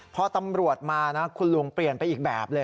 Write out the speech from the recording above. พอตำรวจมานะคุณลุงเปลี่ยนไปอีกแบบเลย